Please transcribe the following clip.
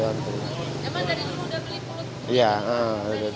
emang dari dulu udah beli pulut